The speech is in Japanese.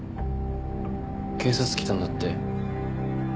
警察来たんだって？